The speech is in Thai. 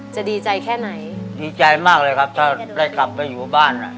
จะดีใจแค่ไหนดีใจมากเลยครับถ้าได้กลับไปอยู่บ้านอ่ะ